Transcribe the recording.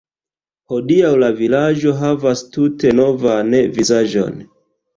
Hodiaŭ la vilaĝo havas tute novan vizaĝon.